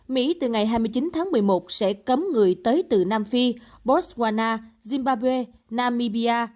mỹ từ ngày hai mươi chín tháng một mươi một sẽ cấm người tới từ nam phi botswana zimbabwe nam mibia